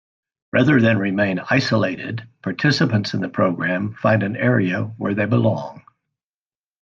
Rather than remain isolated, participants in the program find an area where they belong.